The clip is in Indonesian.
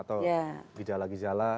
atau gejala gijala